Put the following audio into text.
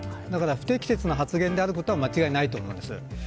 不適切な発言であることは間違いないと思います。